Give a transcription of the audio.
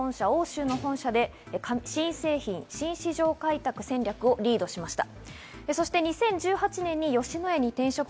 アメリカの本社、欧州の本社で新製品、新市場開拓戦略をリードしました。